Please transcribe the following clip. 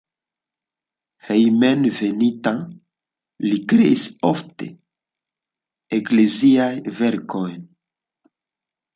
Hejmenveninta li kreis ofte ekleziajn verkojn.